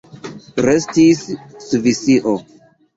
Restis Svisio.